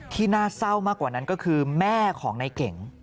ที่น่าเศร้ามากกว่านั้นก็คือแม่ของนายเก่ง